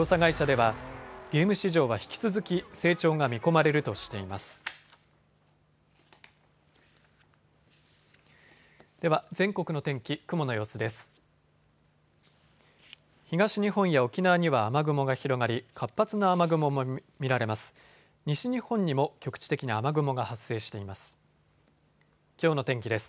東日本や沖縄には雨雲が広がり活発な雨雲も見られます。